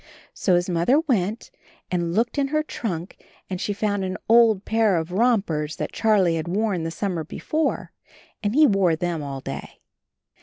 So his Mother went and looked in her trunk and she found an old pair of rompers that Charlie had worn the summer before, and he wore them all day.